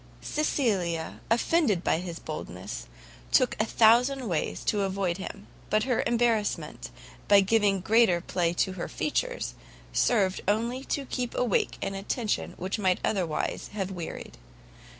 Cecilia, offended by his boldness, looked a thousand ways to avoid him; but her embarrassment, by giving greater play to her features, served only to keep awake an attention which might otherwise have wearied.